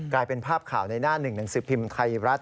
กลายเป็นภาพข่าวในหน้าหนึ่งหนังสือพิมพ์ไทยรัฐ